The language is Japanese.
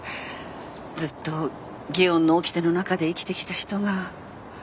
ずっと祇園のおきての中で生きてきた人が。